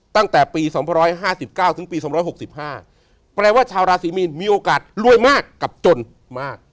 ตั้งแต่ปี๒๕๙ถึงปี๒๖๕แปลว่าชาวราศีมีนมีโอกาสรวยมากกับจนมาก